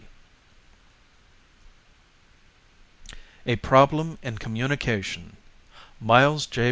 "_ A PROBLEM IN COMMUNICATION MILES J.